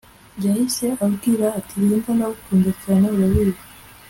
yahise ambwira ati Linda ndagukunda cyane urabizi